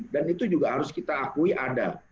dan itu juga harus kita akui ada